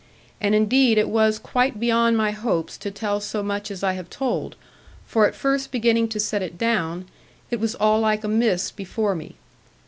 And indeed it was quite beyond my hopes to tell so much as I have told, for at first beginning to set it down, it was all like a mist before me.